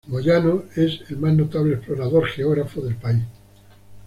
Moyano es el más notable explorador geógrafo del país.